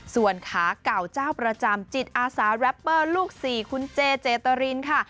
ส่วนขาเก่าเจ้าประจำจิตอาสาแรปเปอร์ลูก๔คุณเจเจตรินค่ะ